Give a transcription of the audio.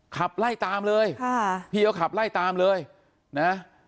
ขับไล่ตามเลยค่ะพี่เขาขับไล่ตามเลยนะ